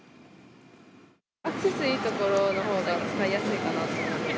アクセスいい所のほうが使いやすいかなと思って。